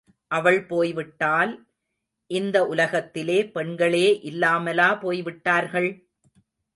அவள் போய்விட்டால் இந்த உலகத்திலே பெண்களே இல்லாமலா போய்விட்டார்கள்?